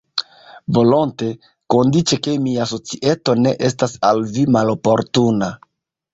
Volonte, kondiĉe ke mia societo ne estas al vi maloportuna.